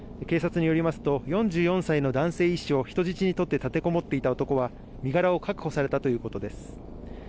警察によりますと、４４歳の男性医師を人質に取って立てこもっていた男は、身柄を確保されたということです。